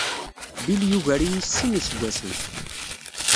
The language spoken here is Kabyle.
Bill yugar-iyi s sin iseggasen.